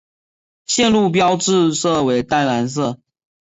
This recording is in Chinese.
线路标志色为淡蓝色。